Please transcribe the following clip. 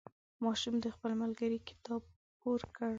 ماشوم د خپل ملګري کتاب پور کړ.